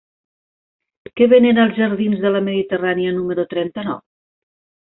Què venen als jardins de la Mediterrània número trenta-nou?